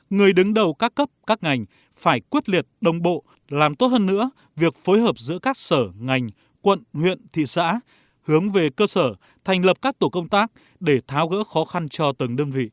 người đứng đầu các cấp các ngành phải quyết liệt đồng bộ làm tốt hơn nữa việc phối hợp giữa các sở ngành quận huyện thị xã hướng về cơ sở thành lập các tổ công tác để tháo gỡ khó khăn cho từng đơn vị